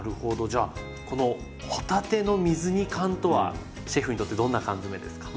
じゃあこの帆立ての水煮缶とはシェフにとってどんな缶詰ですか？